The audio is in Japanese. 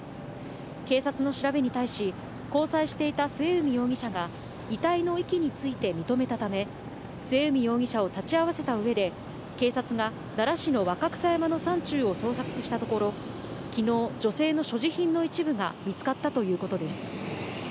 警察の調べに対し、交際していた末海容疑者が遺体の遺棄について認めたため、末海容疑者を立ち会わせたうえで、警察が奈良市の若草山の山中を捜索したところ、きのう、女性の所持品の一部が見つかったということです。